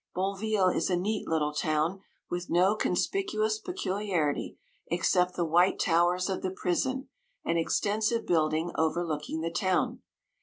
Bonne ville is a neat little town, with no con spicuous peculiarity, except the white towers of the prison, an extensive building overlooking the town.